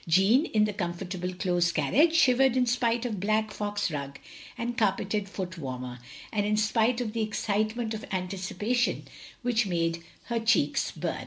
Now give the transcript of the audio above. Jeanne, in the comfortable close carriage, shivered in spite of black fox rug and carpeted foot warmer; and in spite of the excitement of x8a THE LONELY LADY. 183 anticipation which made her cheeks bum.